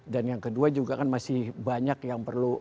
dan yang kedua juga kan masih banyak yang diperlukan